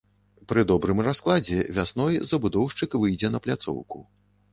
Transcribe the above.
Пры добрым раскладзе вясной забудоўшчык выйдзе на пляцоўку.